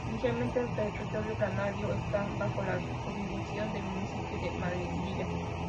Inicialmente el territorio granadino estaba bajo la jurisdicción del municipio de Marinilla.